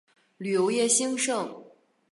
旅游业兴盛。